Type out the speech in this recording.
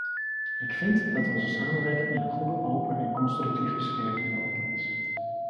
Ik vind dat onze samenwerking in een goede, open en constructieve sfeer verlopen is.